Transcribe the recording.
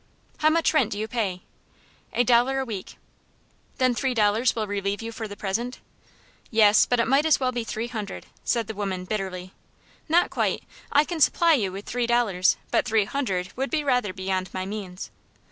"How much rent do you pay?" "A dollar a week." "Then three dollars will relieve you for the present?" "Yes; but it might as well be three hundred," said the woman, bitterly. "Not quite; I can supply you with three dollars, but three hundred would be rather beyond my means."